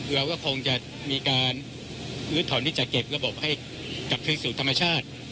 เราก็คงจะมีการลื้อถอนที่จะเก็บระบบให้กลับคืนสู่ธรรมชาติ